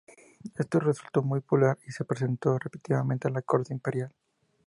Esto resultó muy popular y se presentó repetidamente a la Corte Imperial.